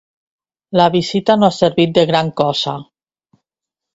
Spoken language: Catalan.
La visita no ha servit de gran cosa.